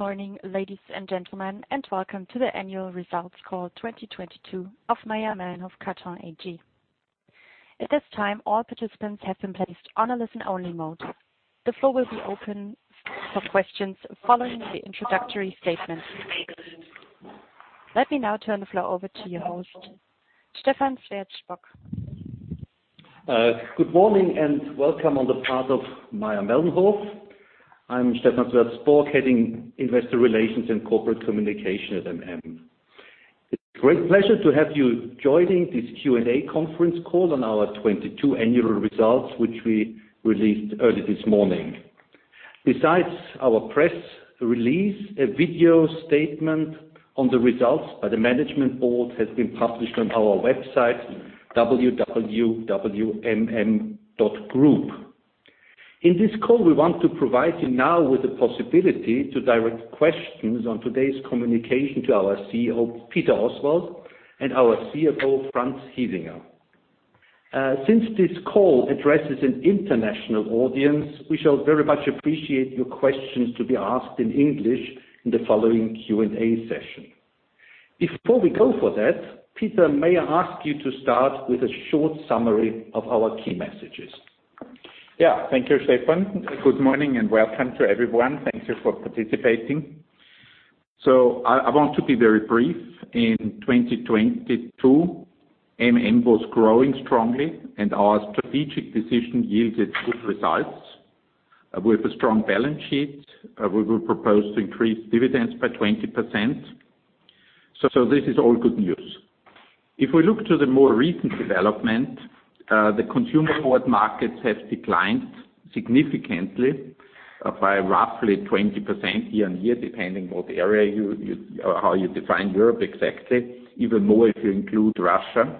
Good morning, ladies and gentlemen, welcome to the annual results call 2022 of Mayr-Melnhof Karton AG. At this time, all participants have been placed on a listen-only mode. The floor will be open for questions following the introductory statements. Let me now turn the floor over to your host, Stephan Sweerts-Sporck. Good morning and welcome on the part of Mayr-Melnhof. I'm Stephan Sweerts-Sporck, heading Investor Relations and Corporate Communication at MM. It's a great pleasure to have you joining this Q&A conference call on our 2022 annual results, which we released early this morning. Besides our press release, a video statement on the results by the management board has been published on our website, www.mm.group. In this call, we want to provide you now with the possibility to direct questions on today's communication to our CEO, Peter Oswald, and our CFO, Franz Hiesinger. Since this call addresses an international audience, we shall very much appreciate your questions to be asked in English in the following Q&A session. Before we go for that, Peter, may I ask you to start with a short summary of our key messages? Yeah. Thank you, Stephan. Good morning and welcome to everyone. Thank you for participating. I want to be very brief. In 2022, MM was growing strongly and our strategic decision yielded good results. With a strong balance sheet, we will propose to increase dividends by 20%. This is all good news. If we look to the more recent development, the consumer board markets have declined significantly by roughly 20% year-on-year, depending what area how you define Europe exactly, even more if you include Russia.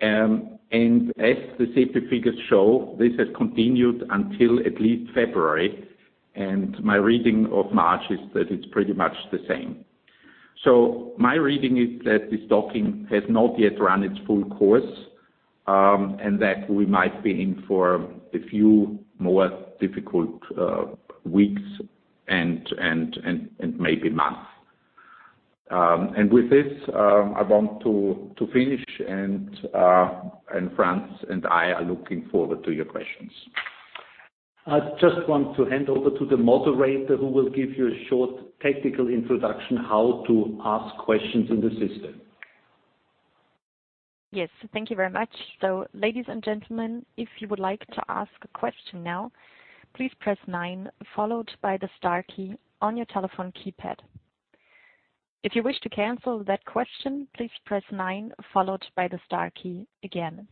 As the safety figures show, this has continued until at least February, and my reading of March is that it's pretty much the same. My reading is that this talking has not yet run its full course, and that we might be in for a few more difficult weeks and maybe months. With this, I want to finish and Franz and I are looking forward to your questions. I just want to hand over to the moderator who will give you a short technical introduction how to ask questions in the system. Yes. Thank you very much. Ladies and gentlemen, if you would like to ask a question now, please press nine, followed by the star key on your telephone keypad. If you wish to cancel that question, please press nine, followed by the star key again.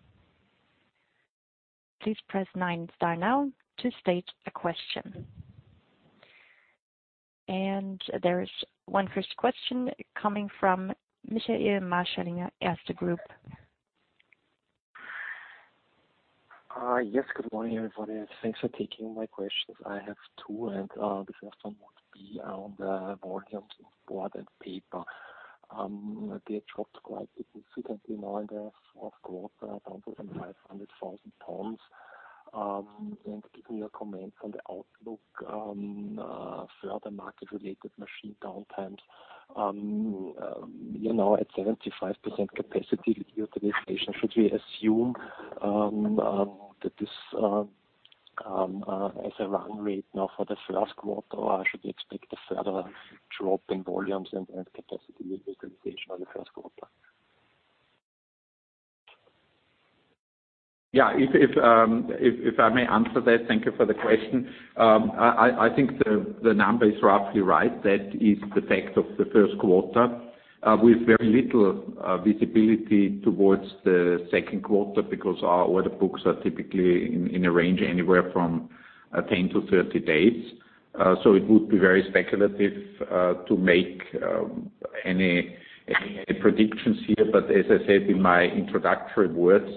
Please press nine star now to state a question. There is one first question coming from Michael Marschallinger, Erste Group. Yes. Good morning, everybody. Thanks for taking my questions. I have two, and the first one would be on the volumes of board and paper. They dropped quite significantly now in the fourth quarter, down to 500,000 tons. Give me a comment on the outlook, further market-related machine downtimes. You know, at 75% capacity utilization, should we assume that this as a run rate now for the first quarter or should we expect a further drop in volumes and capacity utilization on the first quarter? Yeah. If I may answer that. Thank you for the question. I think the number is roughly right. That is the fact of the first quarter, with very little visibility towards the second quarter because our order books are typically in a range anywhere from 10 to 30 days. It would be very speculative to make any predictions here. As I said in my introductory words,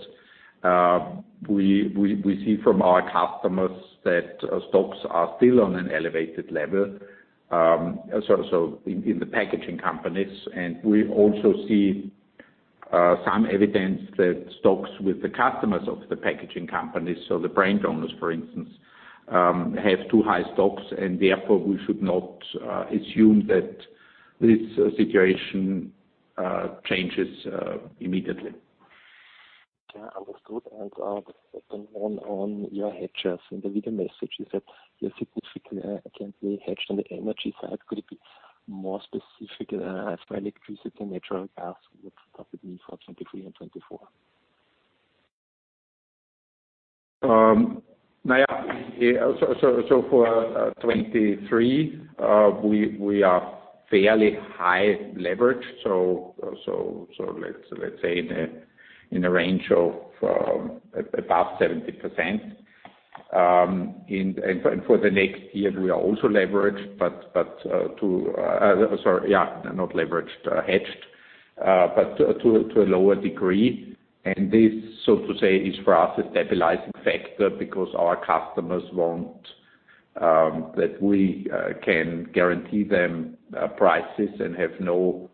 we see from our customers that stocks are still on an elevated level, so in the packaging companies. We also see some evidence that stocks with the customers of the packaging companies, so the brand owners, for instance, have too high stocks, and therefore we should not assume that this situation changes immediately. Yeah. Understood. The second one on your hedges in the video message is that you're significantly hedged on the energy side. Could you be more specific, as for electricity, natural gas, what's happening for 23 and 24? Now, yeah. for 2023, we are fairly high leverage. let's say in a range of above 70%. for the next year, we are also leveraged, but to Sorry. Yeah, not leveraged, hedged, but to a lower degree. This, so to say, is for us a stabilizing factor because our customers want that we can guarantee them prices and have no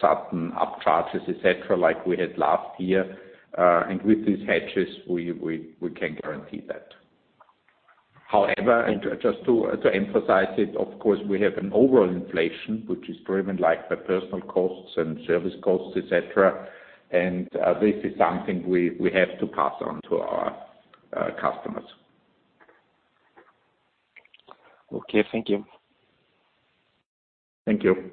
sudden upcharges, et cetera, like we had last year. With these hedges, we can guarantee that. However, just to emphasize it, of course, we have an overall inflation, which is driven like by personal costs and service costs, et cetera. This is something we have to pass on to our customers. Okay. Thank you. Thank you.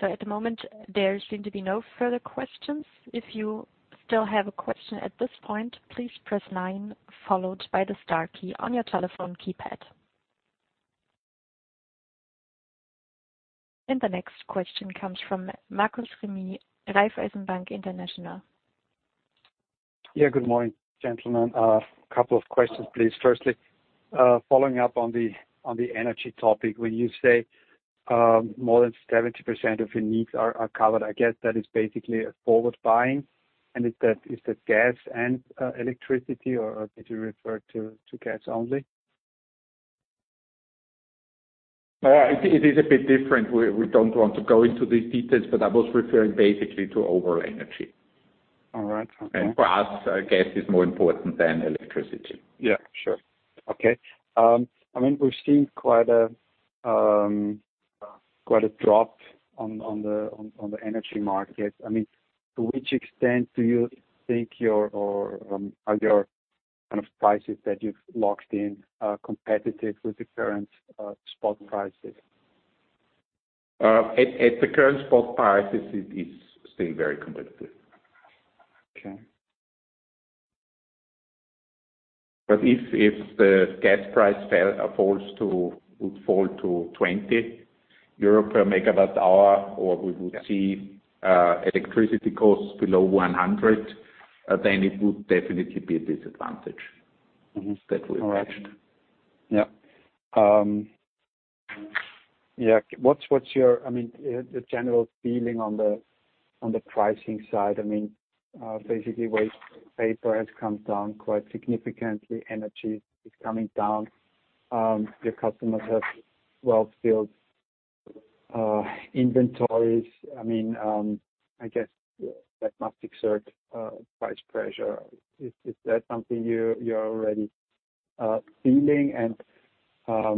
At the moment, there seem to be no further questions. If you still have a question at this point, please press nine followed by the star key on your telephone keypad. The next question comes from Markus Remis, Raiffeisen Bank International. Yeah. Good morning, gentlemen. A couple of questions, please. Firstly, following up on the energy topic. When you say, more than 70% of your needs are covered, I guess that is basically a forward buying. Is that gas and electricity, or did you refer to gas only? It is a bit different. We don't want to go into these details, but I was referring basically to overall energy. All right. Okay. For us, gas is more important than electricity. Yeah, sure. Okay. I mean, we've seen quite a drop on the energy market. I mean, to which extent do you think your kind of prices that you've locked in are competitive with the current spot prices? At the current spot prices, it is still very competitive. Okay. if the gas price fell or would fall to 20 euro per MWh, or we would see electricity costs below 100, then it would definitely be a disadvantage... Mm-hmm. That we expect. All right. Yeah. What's your... I mean, the general feeling on the pricing side. I mean, basically waste paper has come down quite significantly. Energy is coming down. Your customers have well-filled inventories. I mean, I guess that must exert price pressure. Is that something you're already feeling?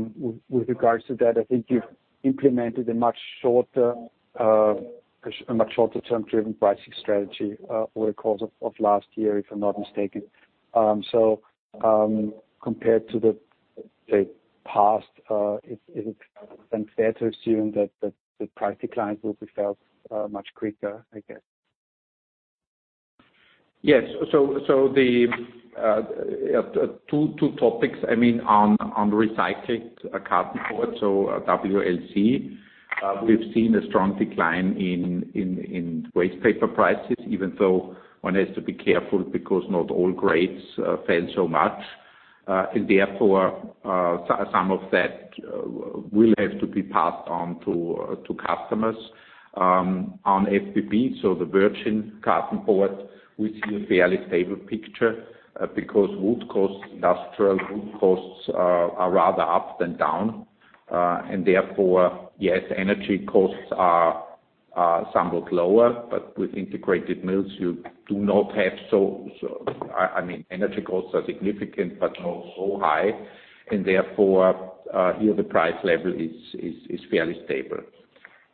With regards to that, I think you've implemented a much shorter term-driven pricing strategy over the course of last year, if I'm not mistaken. Compared to the past, is it then fair to assume that the price decline will be felt much quicker, I guess? Yes. The two topics, I mean, on recycled carton board, so WLC, we've seen a strong decline in waste paper prices, even though one has to be careful because not all grades fell so much. Therefore, some of that will have to be passed on to customers. On FBB, so the virgin carton board, we see a fairly stable picture, because wood costs, industrial wood costs are rather up than down. Therefore, yes, energy costs are somewhat lower. But with integrated mills, you do not have. I mean, energy costs are significant, but not so high. Therefore, here the price level is fairly stable.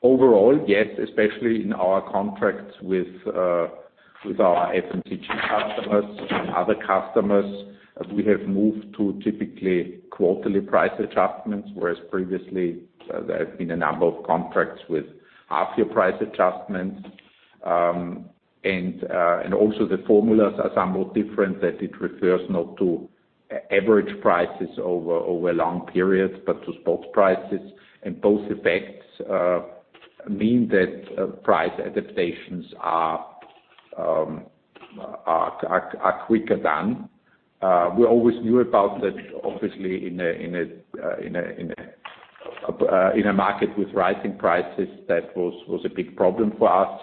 Overall, yes, especially in our contracts with our F&G customers and other customers, we have moved to typically quarterly price adjustments, whereas previously there have been a number of contracts with half-year price adjustments. Also the formulas are somewhat different, that it refers not to average prices over long periods, but to spot prices. Both effects mean that price adaptations are quicker done. We always knew about that. Obviously, in a market with rising prices, that was a big problem for us.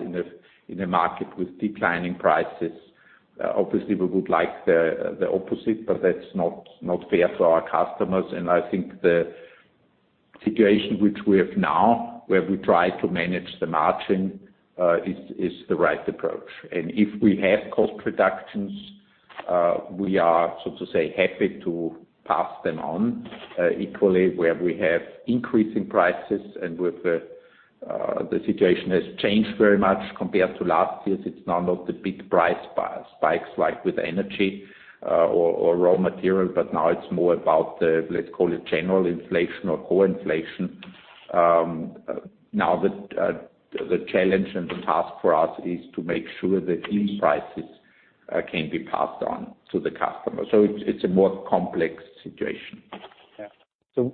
In a market with declining prices, obviously, we would like the opposite, but that's not fair to our customers. I think the situation which we have now, where we try to manage the margin, is the right approach. If we have cost reductions, we are, so to say, happy to pass them on. Equally, where we have increasing prices and with the situation has changed very much compared to last year's, it's now not the big price spikes like with energy, or raw material, but now it's more about the, let's call it, general inflation or core inflation. Now the challenge and the task for us is to make sure that these prices, can be passed on to the customer. It's a more complex situation. Yeah.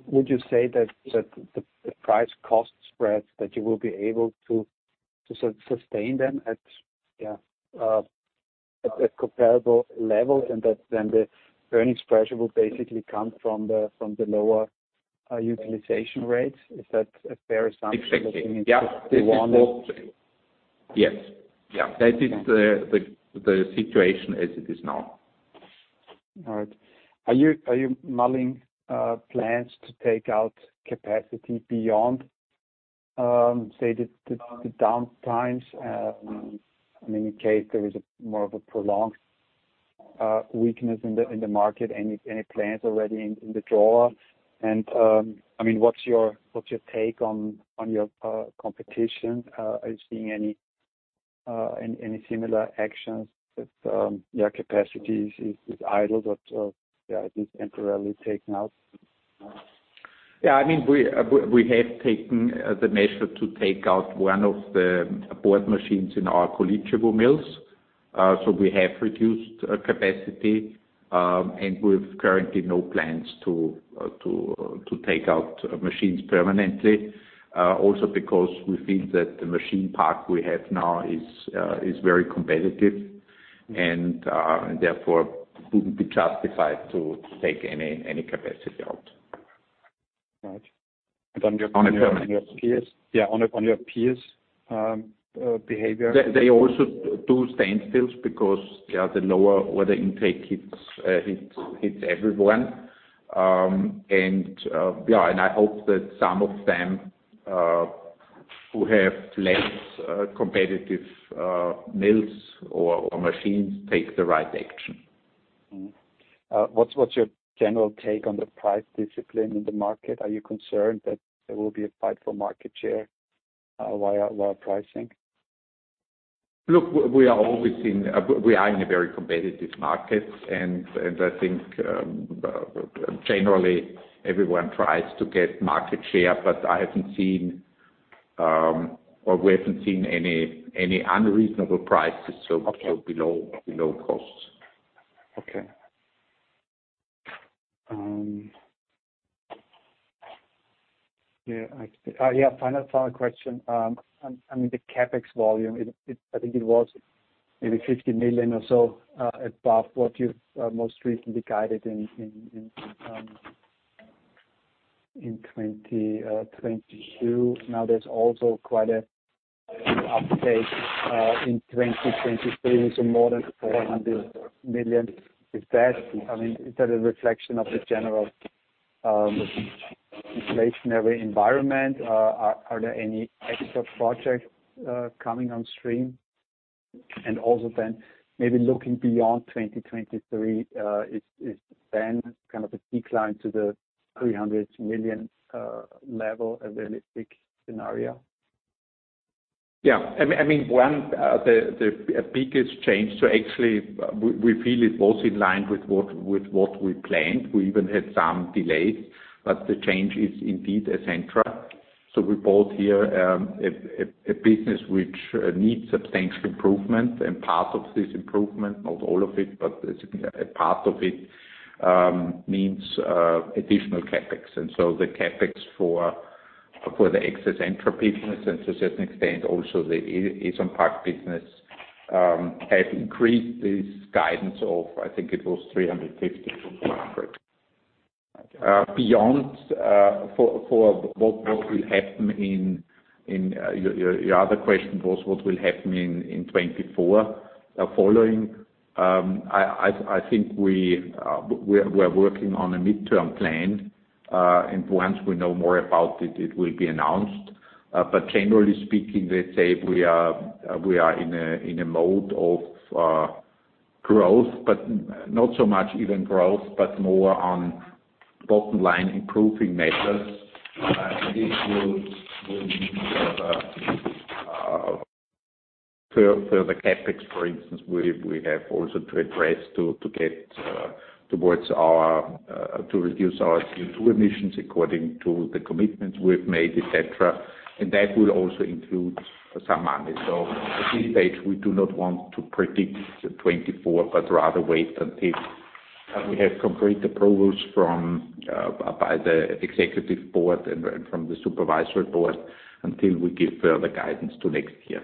Would you say that the price cost spreads, that you will be able to sustain them at, yeah, at comparable levels and that then the earnings pressure will basically come from the lower, utilization rates? Is that a fair assumption? Exactly. Do you think it's just the one? Yes. Yeah. Okay. That is the situation as it is now. All right. Are you mulling plans to take out capacity beyond say the down times, I mean, in case there is a more of a prolonged weakness in the market? Any plans already in the drawer? I mean, what's your take on your competition? Are you seeing any similar actions with your capacities is idle but, yeah, just temporarily taken out? I mean, we have taken the measure to take out one of the board machines in our Količevo mills. We have reduced capacity. We've currently no plans to take out machines permanently. Also because we feel that the machine park we have now is very competitive and therefore wouldn't be justified to take any capacity out. Right. on your- On a-... on your peers. Yeah. On your peers, behavior. They also do standstills because, yeah, the lower order intake hits everyone. Yeah, I hope that some of them, who have less, competitive, mills or machines take the right action. What's your general take on the price discipline in the market? Are you concerned that there will be a fight for market share, via lower pricing? Look, we are always in a very competitive market, and I think, generally everyone tries to get market share, but I haven't seen, or we haven't seen any unreasonable prices so below costs. Okay. Yeah, final question. I mean, the CapEx volume, I think it was maybe 50 million or so, above what you've most recently guided in 2022. Now, there's also quite an uptake in 2023 with some more than 400 million. I mean, is that a reflection of the general inflationary environment? Are there any extra projects coming on stream? Also then maybe looking beyond 2023, then kind of a decline to the 300 million level, a realistic scenario? I mean, one, the biggest change, actually we feel it was in line with what, with what we planned. We even had some delays. The change is indeed Essentra. We bought here a business which needs substantial improvement. Part of this improvement, not all of it, but a part of it, means additional CapEx. The CapEx for the ex Essentra business and to a certain extent also the Asia-Pacific business have increased this guidance of, I think it was 350-400. Okay. Beyond for what will happen in your other question was what will happen in 2024 following. I think we are working on a midterm plan. Once we know more about it will be announced. But generally speaking, let's say we are in a mode of growth, but not so much even growth, but more on bottom line improving measures. This will mean further CapEx, for instance, we have also to address to get towards our to reduce our CO2 emissions according to the commitments we've made, et cetera. That will also include some money. At this stage, we do not want to predict the 2024, but rather wait until we have complete approvals from by the executive board and from the supervisory board until we give further guidance to next year.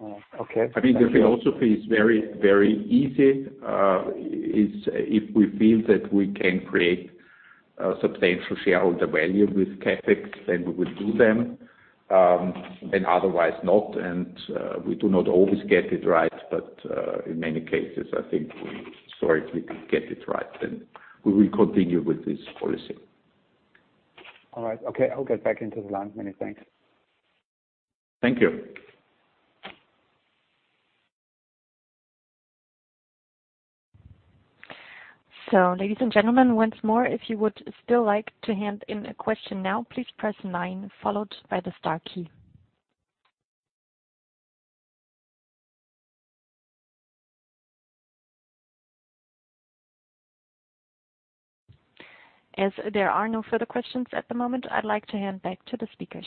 Oh, okay. I mean, the philosophy is very, very easy. If we feel that we can create substantial shareholder value with CapEx, then we will do them. Otherwise not. We do not always get it right. In many cases I think we, so if we can get it right, then we will continue with this policy. All right. Okay, I'll get back into the line. Many thanks. Thank you. Ladies and gentlemen, once more, if you would still like to hand in a question now, please press 9 followed by the star key. As there are no further questions at the moment, I'd like to hand back to the speakers.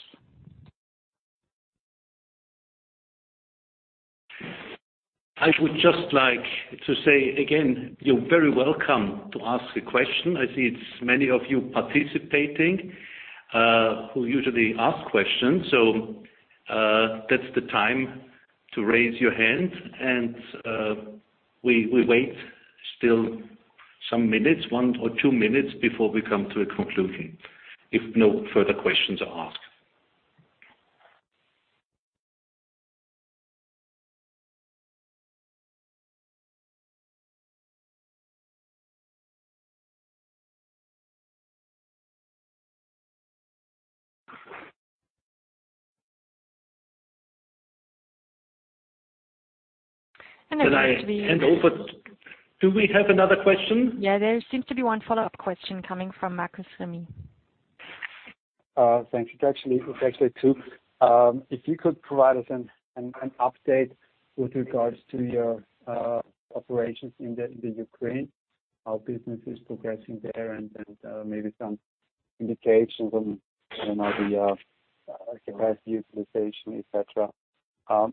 I would just like to say again, you're very welcome to ask a question. I see it's many of you participating, who usually ask questions. That's the time to raise your hand. We wait still some minutes, one or two minutes before we come to a conclusion if no further questions are asked. And then actually- Can I hand over? Do we have another question? Yeah, there seems to be one follow-up question coming from Markus Remis. Thanks. It's actually, it's actually two. If you could provide us an update with regards to your operations in the Ukraine, how business is progressing there and maybe some indications on, you know, the capacity utilization, et cetera. So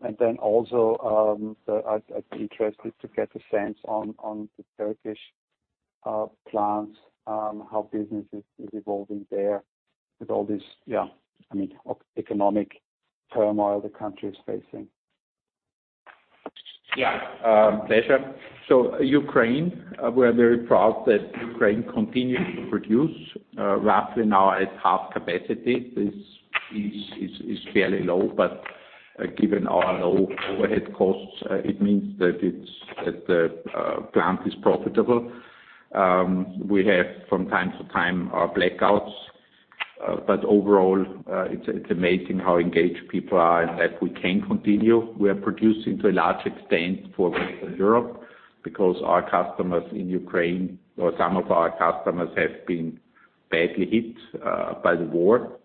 I'd be interested to get a sense on the Turkish plants, how business is evolving there with all this economic turmoil the country is facing. Yeah, pleasure. Ukraine, we're very proud that Ukraine continues to produce roughly now at half capacity. This is fairly low, but given our low overhead costs, it means that the plant is profitable. We have from time to time blackouts. Overall, it's amazing how engaged people are and that we can continue. We are producing to a large extent for Western Europe because our customers in Ukraine or some of our customers have been badly hit by the war.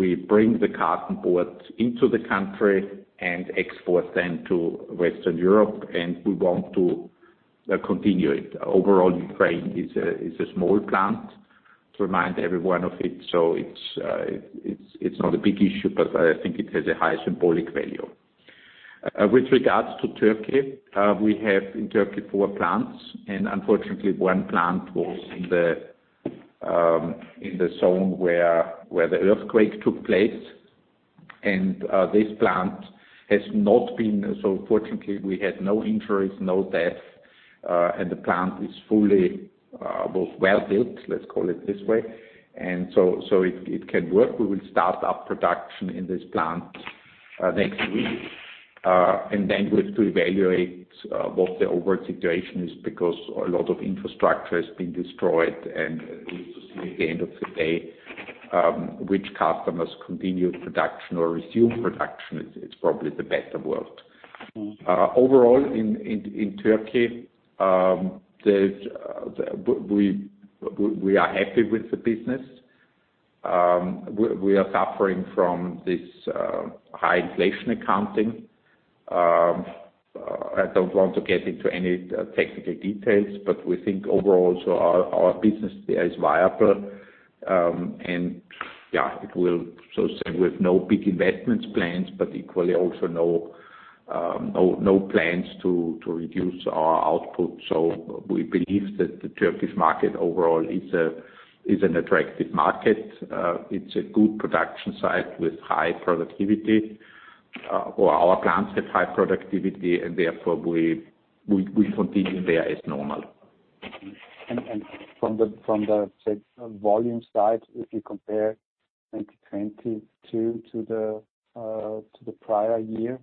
We bring the carton boards into the country and export them to Western Europe, and we want to continue it. Overall, Ukraine is a small plant to remind everyone of it. It's not a big issue, but I think it has a high symbolic value. With regards to Turkey, we have in Turkey 4 plants, and unfortunately one plant was in the zone where the earthquake took place. This plant has not been... Fortunately, we had no injuries, no death, and the plant is fully well-built, let's call it this way. It can work. We will start up production in this plant next week. Then we have to evaluate what the overall situation is because a lot of infrastructure has been destroyed, and we need to see at the end of the day, which customers continue production or resume production is probably the better word. Mm-hmm. Overall in Turkey, we are happy with the business. We are suffering from this high inflation accounting. I don't want to get into any technical details, but we think overall so our business there is viable. Yeah, it will so say with no big investments plans, but equally also no plans to reduce our output. We believe that the Turkish market overall is an attractive market. It's a good production site with high productivity, or our plants have high productivity and therefore we continue there as normal. From the, say, volume side, if you compare 2020 to the prior year?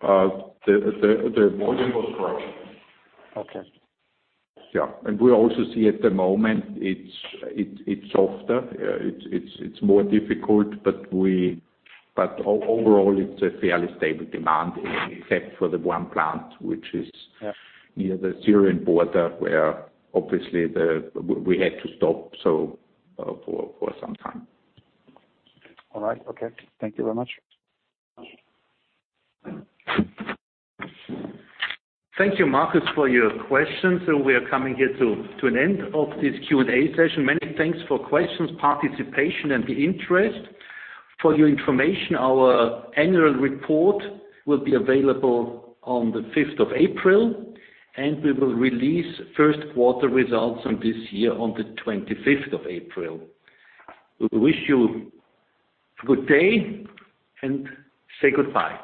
The volume was growing. Okay. Yeah. We also see at the moment it's softer. It's more difficult. Overall, it's a fairly stable demand except for the one plant, which is. Yeah. near the Syrian border where obviously we had to stop for some time. All right. Okay. Thank you very much. Thank you, Marcus, for your questions. We are coming here to an end of this Q&A session. Many thanks for questions, participation, and the interest. For your information, our annual report will be available on the fifth of April, and we will release first quarter results on this year on the 25th of April. We wish you good day and say goodbye.